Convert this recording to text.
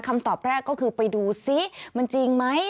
คำตอบแรกก็คือไปดูซิมันจริงไหม